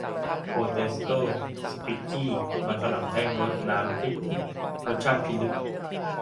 โปเทโต้ สปิคกี้ มันฝรั่งแท่ง รสน้ำพริกหนุ่ม รสชาติพิลึก